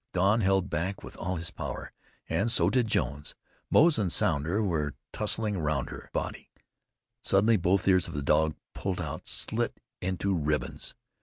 Don held back with all his power, and so did Jones. Moze and Sounder were tussling round her body. Suddenly both ears of the dog pulled out, slit into ribbons.